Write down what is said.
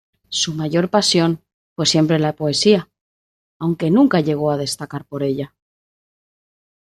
Su mayor pasión fue siempre la poesía, aunque nunca llegó a destacar por ella.